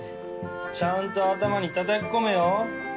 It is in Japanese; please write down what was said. ちゃんと頭にたたき込めよ。